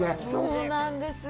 そうなんですよ。